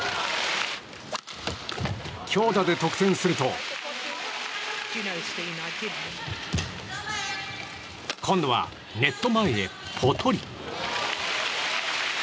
強打で得点すると今度はネット前へ、ポトリ。